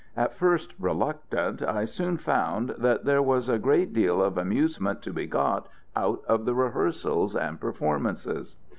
At first reluctant, I soon found that there was a great deal of amusement to be got out of the rehearsals and performances.